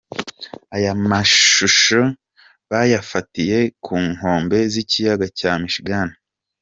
Aya mashusho bayafatiye ku nkombe z’ikiyaga cya Michigan.